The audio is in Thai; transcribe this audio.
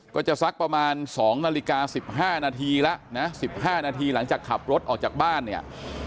ก็จะซักประมาณสองนาฬิกาสิบห้านาทีละนะฮะสิบห้านาทีหลังจากขับรถออกจากบ้านเนี่ย